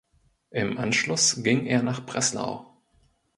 Im Anschluss ging er nach Breslau.